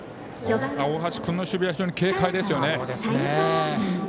大橋君の守備は非常に警戒ですよね。